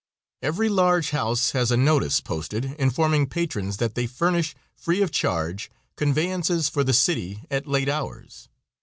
Every large house has a notice posted informing patrons that they furnish, free of charge, conveyances for the city at late hours.